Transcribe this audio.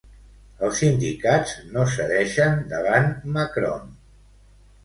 Els sindicats no cedeixen davant Macron.